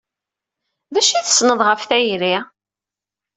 D acu ay tessneḍ ɣef tayri?